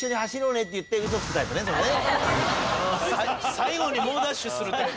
最後に猛ダッシュするタイプ。